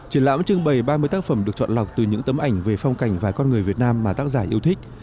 triển lãm trưng bày ba mươi tác phẩm được chọn lọc từ những tấm ảnh về phong cảnh và con người việt nam mà tác giả yêu thích